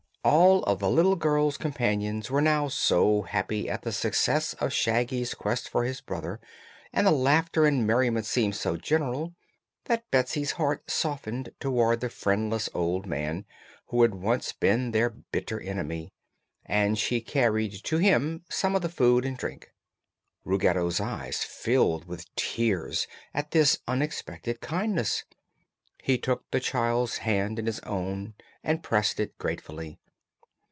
All of the little girl's companions were now so happy at the success of Shaggy's quest for his brother, and the laughter and merriment seemed so general, that Betsy's heart softened toward the friendless old man who had once been their bitter enemy, and she carried to him some of the food and drink. Ruggedo's eyes filled with tears at this unexpected kindness. He took the child's hand in his own and pressed it gratefully.